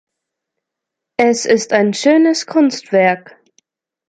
Es ist ein schönes Kunstwerk.